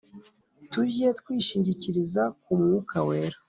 Tujye twishingikiriza ku mwuka wera